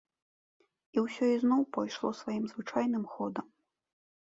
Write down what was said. І ўсё ізноў пайшло сваім звычайным ходам.